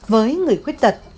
với người khuyết tật